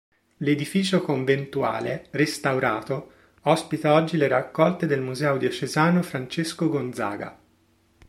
L'edificio conventuale, restaurato, ospita oggi le raccolte del Museo diocesano Francesco Gonzaga,